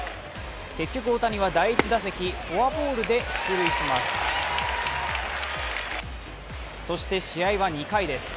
結局、大谷は第１打席フォアボールで出塁します。